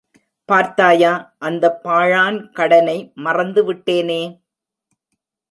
பார்த்தாயா, அந்தப் பாழான் கடனை மறந்து விட்டேனே!